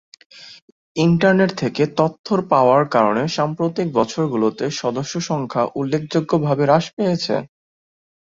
Internet থেকে তথ্যের পাওয়ার কারণে সাম্প্রতিক বছরগুলিতে সদস্যসংখ্যা উল্লেখযোগ্যভাবে হ্রাস পেয়েছে।